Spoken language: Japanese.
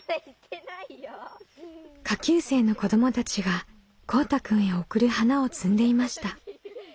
下級生の子どもたちがこうたくんへ贈る花を摘んでいました。